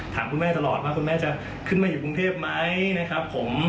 ถามคุณแม่ตลอดว่าคุณแม่จะขึ้นมาอยู่กรุงเทพไหมนะครับผม